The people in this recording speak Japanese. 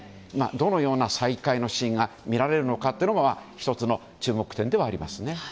どのような再会のシーンが見られるのかというのが１つの注目点ではありますね。